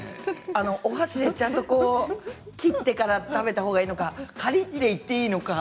お箸でちゃんと切ってから食べたほうがいいのかカリっといっていいのか。